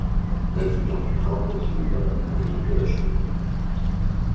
Elle fut ensuite remplacée par la mitrailleuse Kalachnikov.